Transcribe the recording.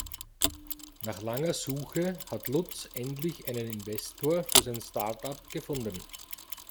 Nach langer Suche hat Lutz endlich einen Investor für sein Startup gefunden.